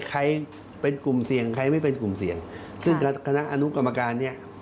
ใครเป็นกลุ่มเสี่ยงใครไม่เป็นกลุ่มเสี่ยงซึ่งคณะอนุกรรมการเนี่ย